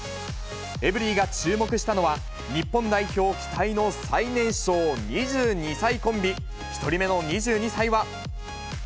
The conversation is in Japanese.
エブリィが注目したのは、日本代表期待の最年少２２歳コンビ、１人目の２２歳は。